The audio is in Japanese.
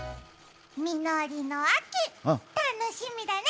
実りの秋、楽しみだね！